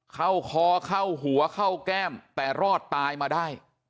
เข้าคอเข้าหัวเข้าแก้มแต่รอดตายมาได้